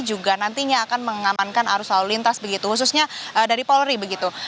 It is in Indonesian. juga nantinya akan mengamankan arus lalu lintas begitu khususnya dari polri begitu